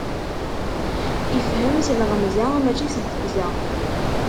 Ifhem s lɣemza, mačči s ddebza.